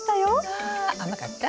あ甘かった？